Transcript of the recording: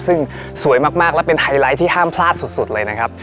ซึ่งสวยมากและเป็นไฮไลท์ที่ห้ามพลาดสุดเลยนะครับ